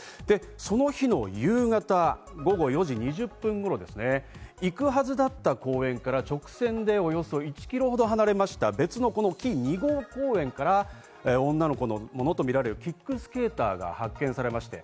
その日の夕方、午後４時２０分頃、行くはずだった公園から直線でおよそ１キロ離れた別のこの公園・木２号公園から女の子のものとみられるキックスケーターが見つかりました。